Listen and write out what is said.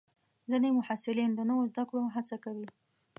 ځینې محصلین د نوو زده کړو هڅه کوي.